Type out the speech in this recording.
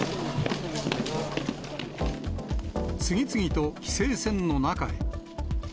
次々と規制線の中へ。